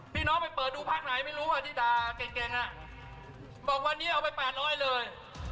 พี่น้องไปเปิดดูพักไหนไม่รู้อ่ะที่ด่าเก่งอ่ะบอกวันนี้เอาไป๘๐๐เลย